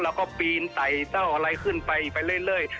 แล้วก็ปีนไต้เจ้าอะไรขึ้นไปไปเรื่อย